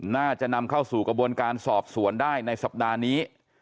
น่าจะนำเข้าสู่กระบวนการสอบสวนได้ในสัปดาห์นี้